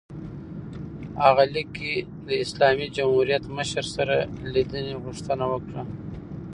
هغه لیک کې د اسلامي جمهوریت مشر سره لیدنې غوښتنه وکړه.